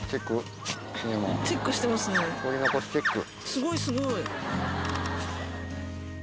すごいすごい。